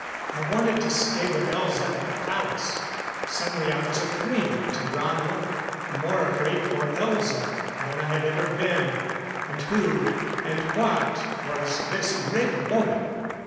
I wanted to stay with Elza at the palace. Suddenly I was afraid of Tarrano, more afraid for Elza than I had ever been. And who, and what was this Red Woman?